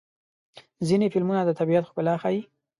ځینې فلمونه د طبیعت ښکلا ښيي.